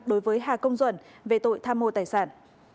đối với hà công duẩn về tội tham mô tài sản